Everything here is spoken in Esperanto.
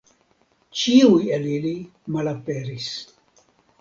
Ĉiuj el ili malaperis.